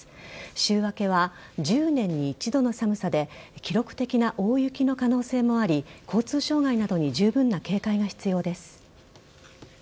週明けは１０年に一度の寒さで記録的な大雪の可能性もあり交通障害などに十分な警戒が必要です。